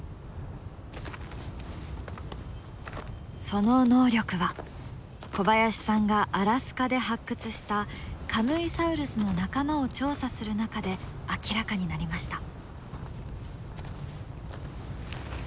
その能力は小林さんがアラスカで発掘したカムイサウルスの仲間を調査する中で明らかになりました。